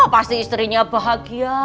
pasti istrinya bahagia